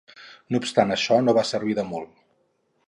No obstant això, no va servir de molt.